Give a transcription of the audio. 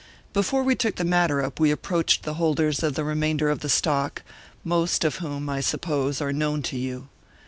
Before we took the matter up, we approached the holders of the remainder of the stock, most of whom, I suppose, are known to you.